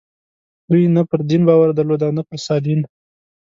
دوی نه پر دین باور درلود او نه پر سادین.